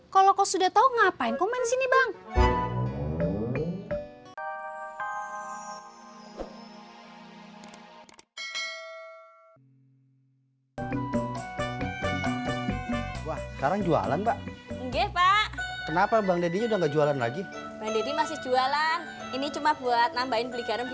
kalau kau sudah tau ngapain kau main sini bang